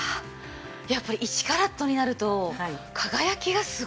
やっぱり１カラットになると輝きがすごいですよね。